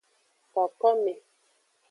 Kokome.